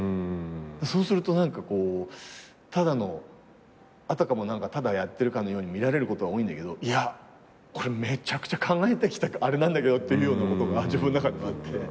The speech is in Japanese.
そうすると何かただのあたかもただやってるかのように見られることが多いんだけどいやこれめちゃくちゃ考えてきたあれなんだけどっていうようなことが自分の中でもあって。